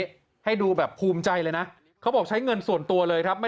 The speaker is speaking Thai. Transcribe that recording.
ให้ดูแบบภูมิใจเลยนะเขาบอกใช้เงินส่วนตัวเลยครับไม่